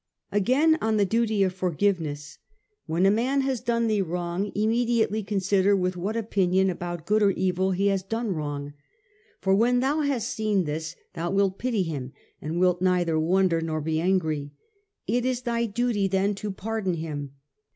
Again, on the duty of forgiveness ;' When a man has done thee any wrong, immediately consider with what opinion about good or evil he has done wrong. ®• por when thou hast seen this thou wilt pity him, and wilt neither wonder nor be angry. It is thy duty then to pardon him.